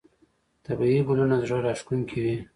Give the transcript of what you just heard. طبیعي ګلونه زړه راښکونکي وي.